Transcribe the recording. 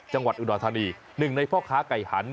หนึ่งในพ่อค้าไก่หัน